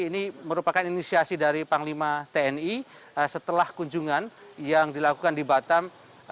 ini merupakan inisiasi dari panglima tni setelah kunjungan yang dilakukan di batam